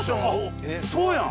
そうやん！